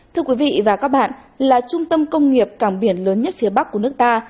thưa quý vị và các bạn là trung tâm công nghiệp cảng biển lớn nhất phía bắc của nước ta